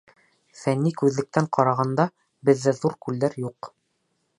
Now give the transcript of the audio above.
Фәнни күҙлектән ҡарағанда, беҙҙә ҙур күлдәр юҡ.